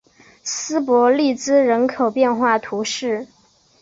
圣博利兹人口变化图示